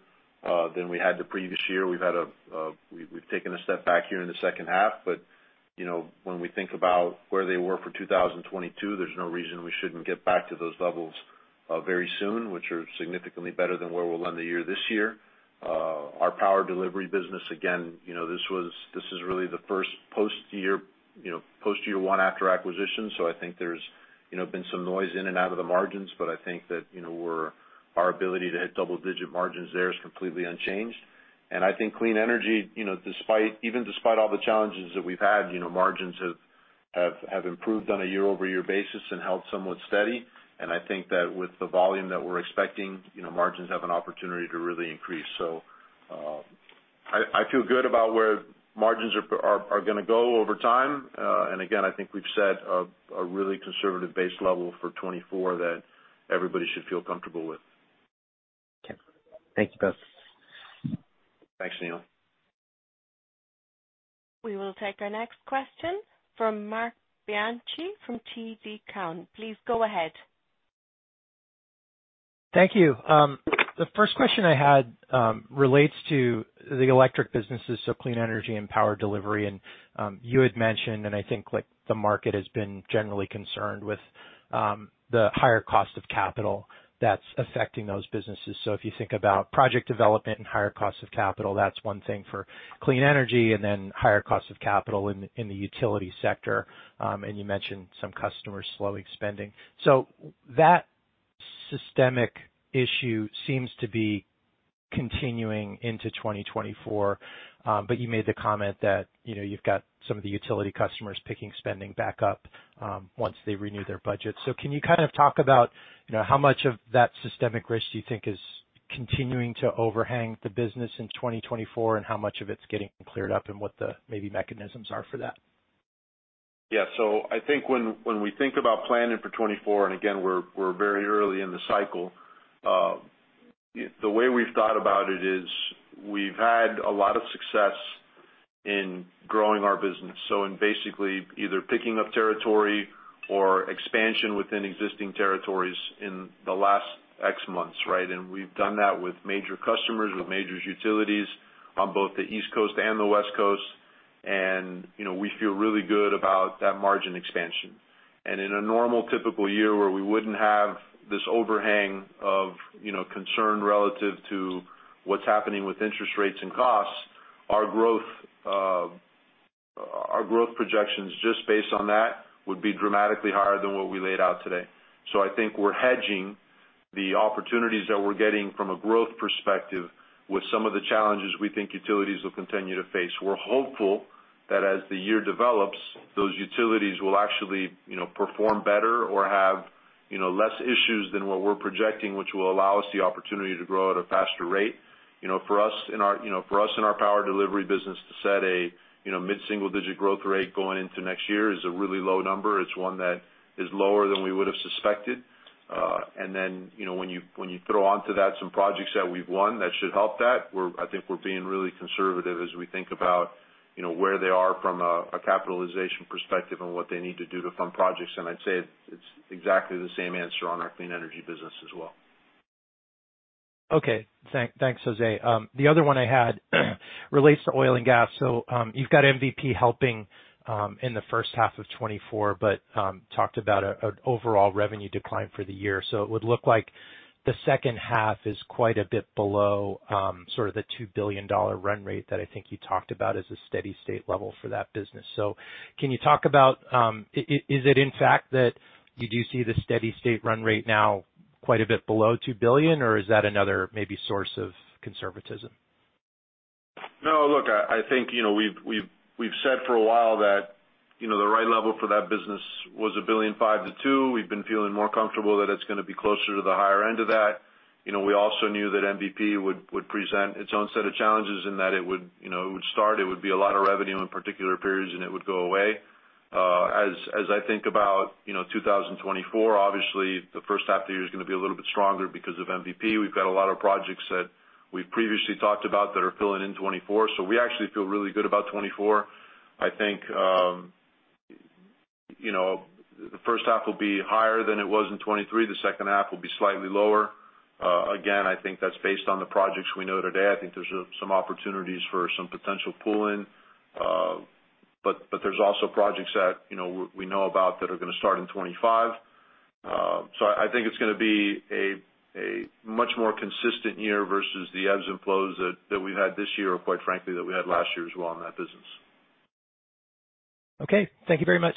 than we had the previous year. We've taken a step back here in the second half, but, you know, when we think about where they were for 2022, there's no reason we shouldn't get back to those levels very soon, which are significantly better than where we'll end the year this year. Our power delivery business, again, you know, this is really the first post-year, you know, post-year one after acquisition, so I think there's, you know, been some noise in and out of the margins, but I think that, you know, we're our ability to hit double-digit margins there is completely unchanged. And I think clean energy, you know, despite even despite all the challenges that we've had, you know, margins have improved on a year-over-year basis and held somewhat steady. And I think that with the volume that we're expecting, you know, margins have an opportunity to really increase. So, I feel good about where margins are gonna go over time. And again, I think we've set a really conservative base level for 2024 that everybody should feel comfortable with. Okay. Thank you, both. Thanks, Neil. We will take our next question from Marc Bianchi from TD Cowen. Please go ahead. Thank you. The first question I had relates to the electric businesses, so clean energy and power delivery. And you had mentioned, and I think, like, the market has been generally concerned with the higher cost of capital that's affecting those businesses. So if you think about project development and higher costs of capital, that's one thing for clean energy, and then higher costs of capital in the utility sector, and you mentioned some customers slowly spending. So that systemic issue seems to be continuing into 2024. But you made the comment that, you know, you've got some of the utility customers picking spending back up once they renew their budget. So can you kind of talk about, you know, how much of that systemic risk do you think is continuing to overhang the business in 2024, and how much of it's getting cleared up, and what the maybe mechanisms are for that? Yeah. So I think when we think about planning for 2024, and again, we're very early in the cycle, the way we've thought about it is we've had a lot of success in growing our business. So in basically, either picking up territory or expansion within existing territories in the last six months, right? And we've done that with major customers, with major utilities on both the East Coast and the West Coast, and, you know, we feel really good about that margin expansion. And in a normal, typical year where we wouldn't have this overhang of, you know, concern relative to what's happening with interest rates and costs, our growth projections, just based on that, would be dramatically higher than what we laid out today. So I think we're hedging the opportunities that we're getting from a growth perspective with some of the challenges we think utilities will continue to face. We're hopeful that as the year develops, those utilities will actually, you know, perform better or have, you know, less issues than what we're projecting, which will allow us the opportunity to grow at a faster rate. You know, for us in our power delivery business, to set a, you know, mid-single-digit growth rate going into next year is a really low number. It's one that is lower than we would have suspected. And then, you know, when you throw onto that some projects that we've won, that should help that. We're being really conservative as we think about, you know, where they are from a capitalization perspective and what they need to do to fund projects. I'd say it's exactly the same answer on our clean energy business as well. Okay. Thanks, thanks, José. The other one I had relates to oil and gas. So, you've got MVP helping in the first half of 2024, but talked about an overall revenue decline for the year. So it would look like the second half is quite a bit below sort of the $2 billion run rate that I think you talked about as a steady state level for that business. So can you talk about is it, in fact, that you do see the steady state run rate now quite a bit below $2 billion, or is that another maybe source of conservatism? No, look, I think, you know, we've said for a while that, you know, the right level for that business was $1.5 billion-$2 billion. We've been feeling more comfortable that it's gonna be closer to the higher end of that. You know, we also knew that MVP would present its own set of challenges, in that it would, you know, it would start, it would be a lot of revenue on particular periods, and it would go away. As I think about, you know, 2024, obviously, the first half of the year is gonna be a little bit stronger because of MVP. We've got a lot of projects that we've previously talked about that are filling in 2024, so we actually feel really good about 2024. I think, you know, the first half will be higher than it was in 2023. The second half will be slightly lower. Again, I think that's based on the projects we know today. I think there's some opportunities for some potential pull-in, but there's also projects that, you know, we know about that are gonna start in 2025. So I think it's gonna be a much more consistent year versus the ebbs and flows that we've had this year, or quite frankly, that we had last year as well in that business. Okay. Thank you very much.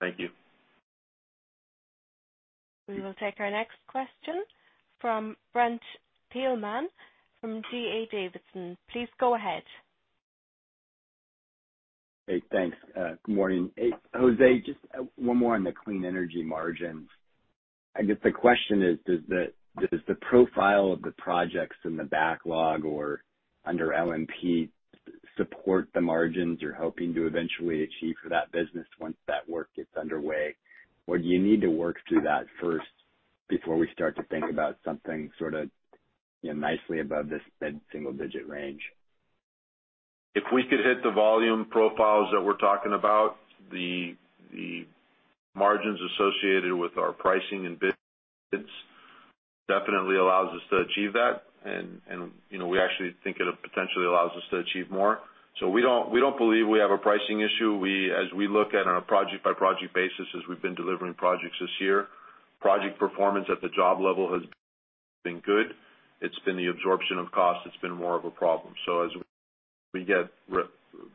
Thank you. We will take our next question from Brent Thielman, from D.A. Davidson. Please go ahead. Hey, thanks. Good morning. Hey, José, just one more on the clean energy margin. I guess the question is: Does the profile of the projects in the backlog or under LNTP support the margins you're hoping to eventually achieve for that business once that work gets underway? Or do you need to work through that first before we start to think about something sort of, you know, nicely above this mid-single digit range? If we could hit the volume profiles that we're talking about, the margins associated with our pricing and bids definitely allows us to achieve that. And, you know, we actually think it potentially allows us to achieve more. So we don't believe we have a pricing issue. As we look at it on a project-by-project basis, as we've been delivering projects this year, project performance at the job level has been good. It's been the absorption of cost that's been more of a problem. So as we get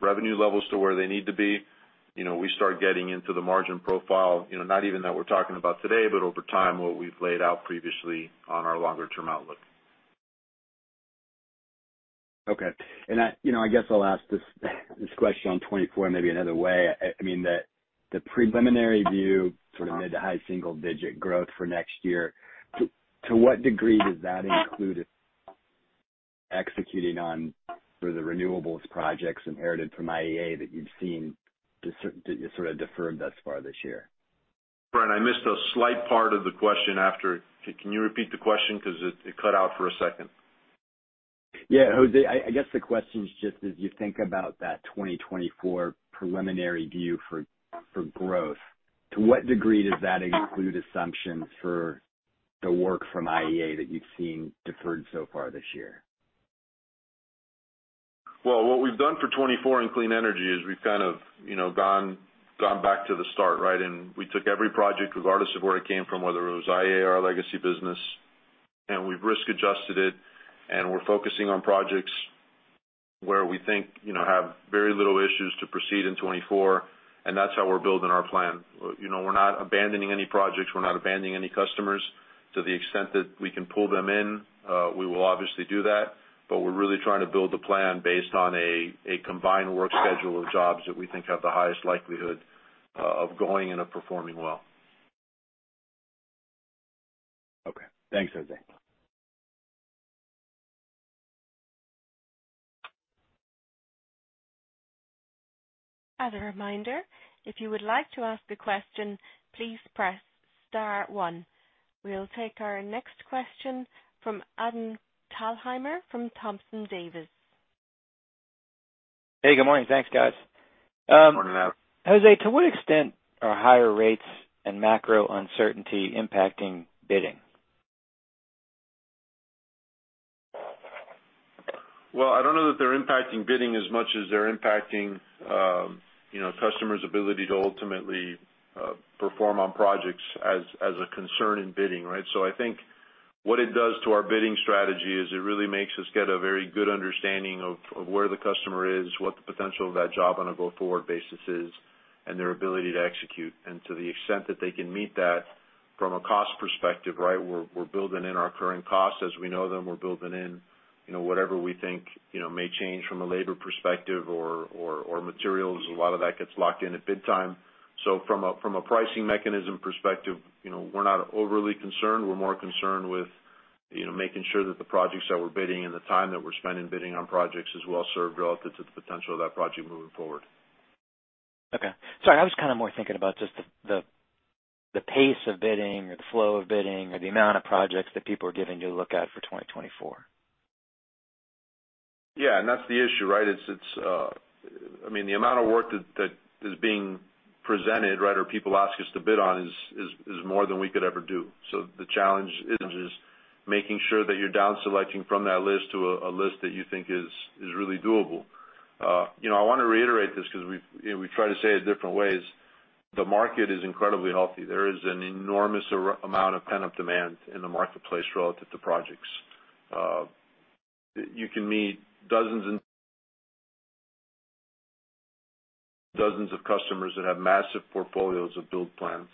revenue levels to where they need to be, you know, we start getting into the margin profile, you know, not even that we're talking about today, but over time, what we've laid out previously on our longer term outlook. Okay. I, you know, I guess I'll ask this, this question on 2024 in maybe another way. I mean, the, the preliminary view, sort of mid-to-high single-digit growth for next year, to, to what degree does that include executing on the renewables projects inherited from IEA that you've seen sort of deferred thus far this year? Brent, I missed a slight part of the question after... Can you repeat the question? Because it, it cut out for a second. Yeah. José, I, I guess the question is just, as you think about that 2024 preliminary view for, for growth, to what degree does that include assumptions for the work from IEA that you've seen deferred so far this year? Well, what we've done for 2024 in clean energy is we've kind of, you know, gone back to the start, right? And we took every project, regardless of where it came from, whether it was IEA or our legacy business, and we've risk-adjusted it, and we're focusing on projects where we think, you know, have very little issues to proceed in 2024, and that's how we're building our plan. You know, we're not abandoning any projects. We're not abandoning any customers. To the extent that we can pull them in, we will obviously do that, but we're really trying to build a plan based on a combined work schedule of jobs that we think have the highest likelihood of going and of performing well. Okay. Thanks, José. As a reminder, if you would like to ask a question, please press star one. We'll take our next question from Adam Thalhimer, from Thompson Davis. Hey, good morning. Thanks, guys. Good morning, Adam. José, to what extent are higher rates and macro uncertainty impacting bidding? Well, I don't know that they're impacting bidding as much as they're impacting, you know, customers' ability to ultimately perform on projects as a concern in bidding, right? So I think what it does to our bidding strategy is it really makes us get a very good understanding of where the customer is, what the potential of that job on a go-forward basis is, and their ability to execute. And to the extent that they can meet that from a cost perspective, right, we're building in our current costs as we know them. We're building in, you know, whatever we think, you know, may change from a labor perspective or materials. A lot of that gets locked in at bid time. So from a pricing mechanism perspective, you know, we're not overly concerned. We're more concerned with, you know, making sure that the projects that we're bidding and the time that we're spending bidding on projects is well served relative to the potential of that project moving forward. Okay. Sorry, I was kind of more thinking about just the pace of bidding or the flow of bidding or the amount of projects that people are giving you to look at for 2024. Yeah, and that's the issue, right? It's, it's, I mean, the amount of work that, that is being presented, right, or people ask us to bid on is, is, is more than we could ever do. So the challenge is, is making sure that you're down selecting from that list to a, a list that you think is, is really doable. You know, I want to reiterate this because we, you know, we try to say it different ways. The market is incredibly healthy. There is an enormous amount of pent-up demand in the marketplace relative to projects. You can meet dozens and dozens of customers that have massive portfolios of build plans,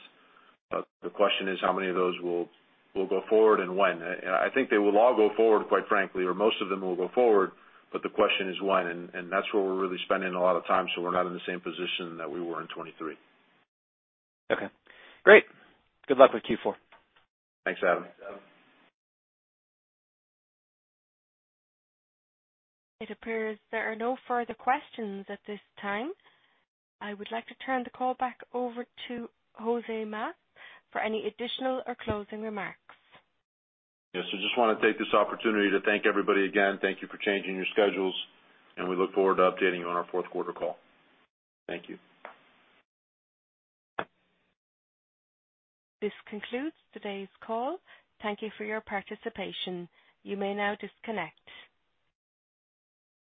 but the question is: How many of those will, will go forward and when? I think they will all go forward, quite frankly, or most of them will go forward, but the question is when, and, and that's where we're really spending a lot of time, so we're not in the same position that we were in 2023. Okay, great! Good luck with Q4. Thanks, Adam. It appears there are no further questions at this time. I would like to turn the call back over to José Mas for any additional or closing remarks. Yes, I just want to take this opportunity to thank everybody again. Thank you for changing your schedules, and we look forward to updating you on our fourth quarter call. Thank you. This concludes today's call. Thank you for your participation. You may now disconnect.